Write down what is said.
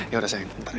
ya udah sayang ntar ya